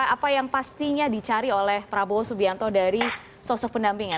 apa yang pastinya dicari oleh prabowo subianto dari sosok pendampingnya